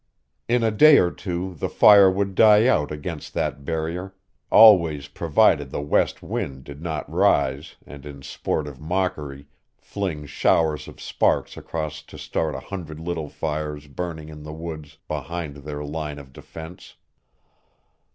In a day or two the fire would die out against that barrier, always provided the west wind did not rise and in sportive mockery fling showers of sparks across to start a hundred little fires burning in the woods behind their line of defense.